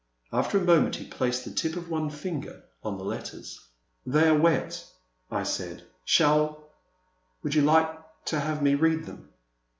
After a moment he placed the tip of one finger on the letters. They are wet, I said ;shall — would you like to have me read them